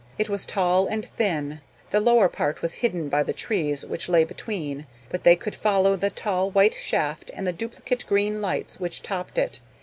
It was tall and thin. The lower part was hidden by the trees which lay between, but they could follow the tall white shaft and the duplicate green lights which topped it.